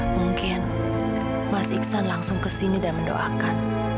mungkin mas iksan langsung kesini dan mendoakan